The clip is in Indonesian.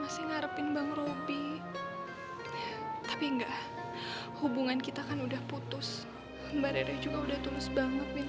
sehat aja mbak rung kalau capek kalau malah sakit